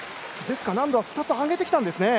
難度は２つ上げてきたんですね。